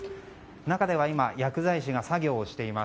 中では今薬剤師が作業をしています。